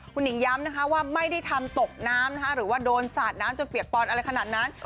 คุณหญิงย้ำนะคะว่าไม่ได้ทำตกน้ำหรือว่าโดนสาดน้ำจนเปียกปอนอะไรขนาดนั้น